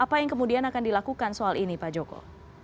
apa yang kemudian akan dilakukan soal ini pak joko